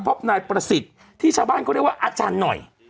พบนายประสิทธิ์ที่ชาวบ้านเขาเรียกว่าอาจารย์หน่อย